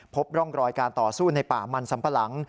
พบร่องรอยการต่อสู้ในป่ามันสัมปะหลัง